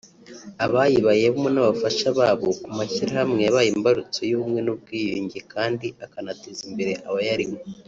abayibayemo n’abafasha babo) ku mashyirahamwe yabaye imbarutso y’ubumwe n’ubwiyunge kandi akanateza imbere abayarimo